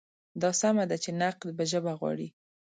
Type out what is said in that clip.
دا سمه ده چې نقد به ژبه غواړي.